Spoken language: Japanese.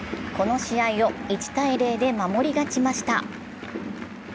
この試合を１−０で守り勝ちました。